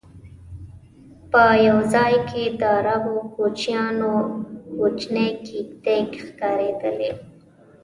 په یو ځای کې د عربو کوچیانو کوچنۍ کېږدی ښکارېدلې.